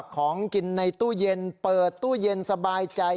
ของกินในตู้เย็นเปิดตู้เย็นสบายใจ